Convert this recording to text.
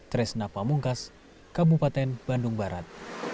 tres napa mungkas kabupaten bandung barat